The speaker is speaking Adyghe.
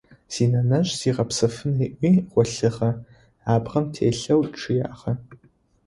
Синэнэжъ зигъэпсэфын ыӏуи гъолъыгъэ, абгъэм телъэу чъыягъэ.